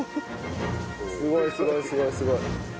すごいすごいすごいすごい！